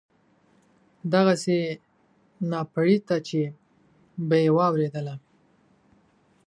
دغسې ناپړېته چې به یې واورېدله.